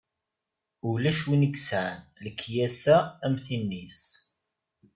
Ulac win i yesɛan lekyasa am tin-is.